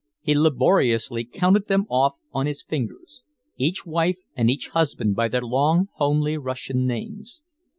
He laboriously counted them off on his fingers each wife and each husband by their long, homely Russian names.